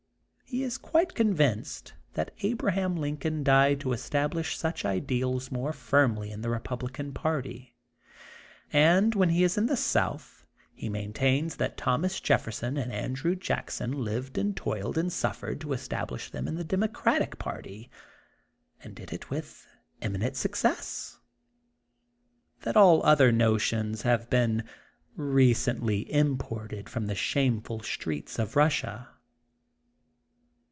He is quite convinced that Abra ham Lincoln died to establish such ideals 12 THE GOLDEN BOOK OF SPRINGFIELD more firmly in the Bepnblicaa Party, and when he is in the Sonth he Tnaint^ins that Thomas Jefferson and Andrew Jackson lived and toiled and suffered to establish them in the Democratic Party, and did it with emi nent success: that all other notions have been recently imi>orted from the shameful streets of Russia.